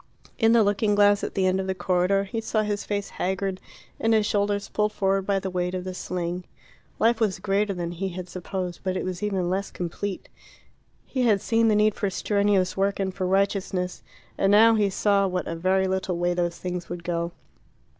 In the looking glass at the end of the corridor he saw his face haggard, and his shoulders pulled forward by the weight of the sling. Life was greater than he had supposed, but it was even less complete. He had seen the need for strenuous work and for righteousness. And now he saw what a very little way those things would go.